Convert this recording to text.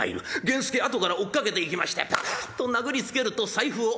源助後から追っかけていきましてポクッと殴りつけると財布を。